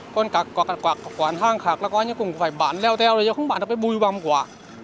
còn các quán hàng khác là coi như cũng phải bán leo teo không bán được cái bùi bằm quả